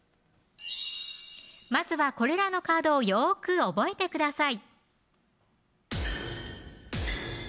まずはこれらのカードをよく覚えてください